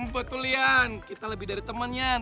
betul ian kita lebih dari teman ian